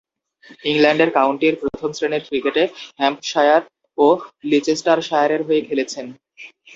ইংল্যান্ডের কাউন্টির প্রথম-শ্রেণীর ক্রিকেটে হ্যাম্পশায়ার ও লিচেস্টারশায়ারের হয়ে খেলেছেন।